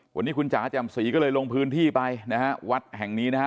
วันนี้คุณจ๋าแจ่มสีก็เลยลงพื้นที่ไปนะฮะวัดแห่งนี้นะฮะ